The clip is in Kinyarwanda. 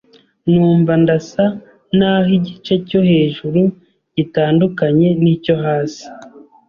numva ndasa n’aho igice cyo hejuru gitandukanye n’icyo hasi